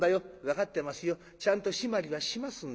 「分かってますよちゃんと締まりはしますんで」。